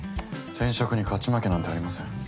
転職に勝ち負けなんてありません。